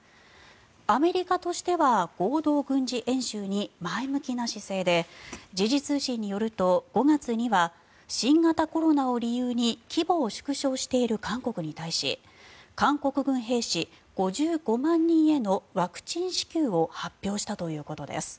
アメリカとしては合同軍事演習に前向きな姿勢で時事通信によると５月には新型コロナを理由に規模を縮小している韓国に対し韓国軍兵士５５万人へのワクチン支給を発表したということです。